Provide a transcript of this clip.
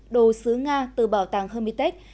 đồ sứ nga từ bảo tàng hermitage